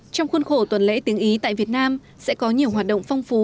trong khuôn khổ tuần lễ tiếng ý tại việt nam sẽ có nhiều hoạt động phong phú